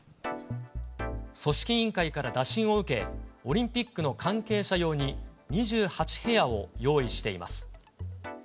組織委員会から打診を受け、オリンピックの関係者用に２８部屋を用意しています。